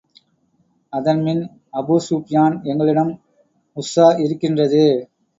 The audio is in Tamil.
அதன்பின் அபூஸூப்யான், எங்களிடம் உஸ்ஸா இருக்கின்றது.